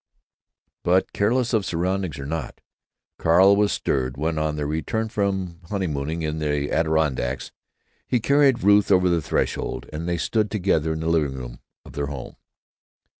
But, careless of surroundings or not, Carl was stirred when on their return from honeymooning in the Adirondacks he carried Ruth over the threshold and they stood together in the living room of their home.